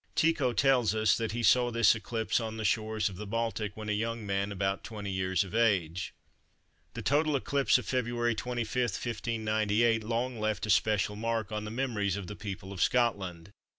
Tycho tells us that he saw this eclipse on the shores of the Baltic when a young man about 20 years of age. The total eclipse of February 25, 1598, long left a special mark on the memories of the people of Scotland.